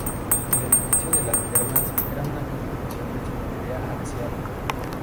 El edificio de las termas era una construcción de simetría axial.